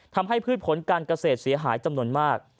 พืชผลการเกษตรเสียหายจำนวนมาก